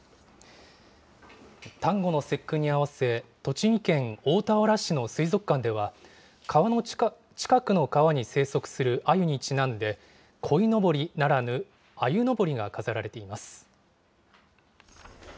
端午の節句に合わせ、栃木県大田原市の水族館では、近くの川に生息するアユにちなんで、こいのぼりならぬあゆのぼりが飾られています。